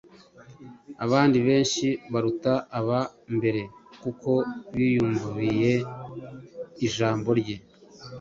abandi benshi baruta aba mbere, kuko biyumviye ijambo rye.”.